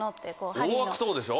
大悪党でしょ？